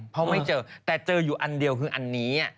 เพราะไม่เจอแต่เจออยู่อันเดียวคืออันนี้